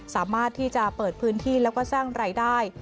สามารถที่จะเปิดพื้นที่แล้วก็สร้างรายได้